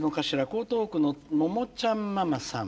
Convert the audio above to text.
江東区のももちゃんままさん。